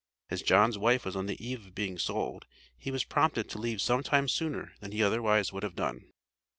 As John's wife was on the eve of being sold he was prompted to leave some time sooner than he otherwise would have done.